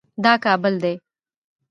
دا کابل دی